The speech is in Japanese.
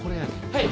はい。